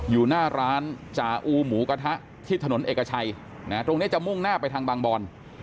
อยู่หน้าร้านจาอูหมูกระทะที่ถนนเอกชัยตรงนี้จะมุ่งหน้าไปทางบางบอน